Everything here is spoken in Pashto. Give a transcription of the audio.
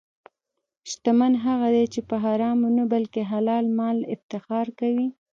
شتمن هغه دی چې په حرامو نه، بلکې حلال مال افتخار کوي.